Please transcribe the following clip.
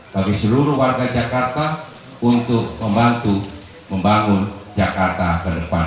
bagi seluruh warga jakarta untuk membantu membangun jakarta ke depan lebih baik lagi